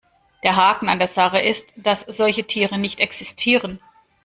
Der Haken an der Sache ist, dass solche Tiere nicht existieren.